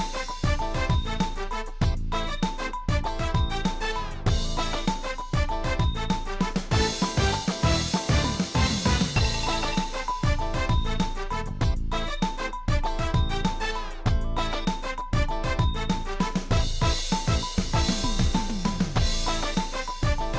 สวัสดิฟร์จะวิ่งทางต่างจาก